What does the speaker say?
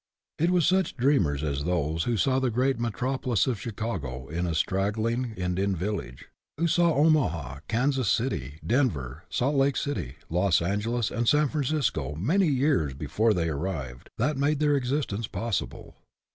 It was such dreamers as those who saw the great metropolis of Chicago in a straggling Indian village ; who saw Omaha, Kansas City, Denver, Salt Lake City, Los Angeles, and San Francisco many years before they arrived, that made their existence possible.